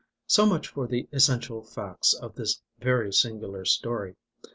So much for the essential facts of this very singular story.